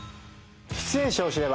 出演者を知れば。